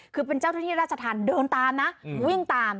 คือเป็นเจ้าหน้าที่ราชธรรมเดินตามนะวิ่งตาม